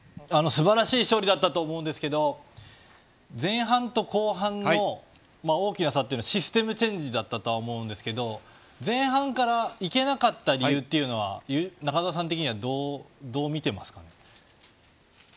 すばらしい勝利だったと思いますが前半と後半の大きな差はシステムチェンジだったとは思うんですが前半から、いけなかった理由は中澤さん的にはどうみていますか？